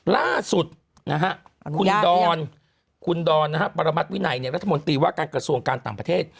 ล่าสุดนะฮะคุณดอนคุณดอนปรมัติวินัยรัฐมนตรีว่าการกระทรวงการต่างประเทศ